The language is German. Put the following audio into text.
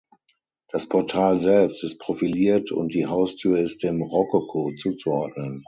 Das Portal selbst ist profiliert und die Haustür ist dem Rokoko zuzuordnen.